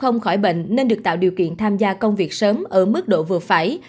ngoại bệnh nên được tạo điều kiện tham gia công việc sớm ở mức độ vừa phải